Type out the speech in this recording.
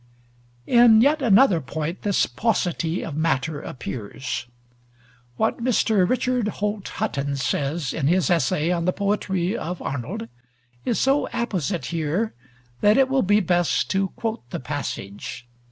In yet another point this paucity of matter appears. What Mr. Richard Holt Hutton says in his essay on the poetry of Arnold is so apposite here that it will be best to quote the passage.